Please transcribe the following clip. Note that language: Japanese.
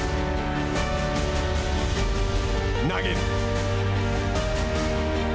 投げる。